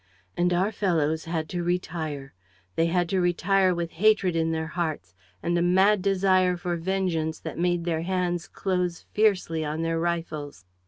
And our fellows had to retire. They had to retire with hatred in their hearts and a mad desire for vengeance that made their hands close fiercely on their rifles.